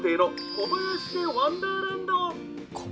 小林家ワンダーランド？